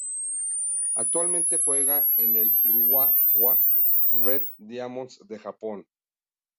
Actualmente juega en el Urawa Red Diamonds de Japón.